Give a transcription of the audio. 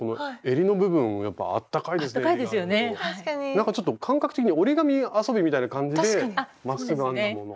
なんかちょっと感覚的に折り紙遊びみたいな感じでまっすぐ編んだものを。